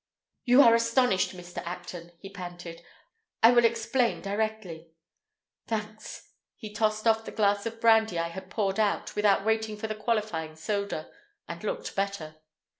"You are astonished, Mr. Acton," he panted. "I will explain directly. Thanks." He tossed off the glass of brandy I had poured out without waiting for the qualifying soda, and looked better.